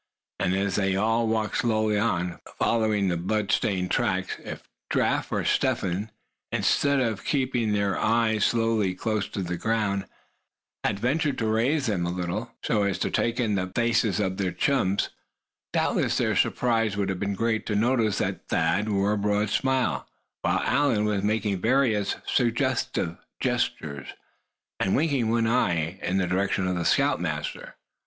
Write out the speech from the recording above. And as they all walked slowly on, following the blood stained tracks, if Giraffe or Step Hen, instead of keeping their eyes so closely upon the ground, had ventured to raise them a little, so as to take in the faces of their chums, doubtless their surprise would have been great to notice that Thad wore a broad smile, while Allan was making various suggestive gestures, and winking one eye in the direction of the scoutmaster.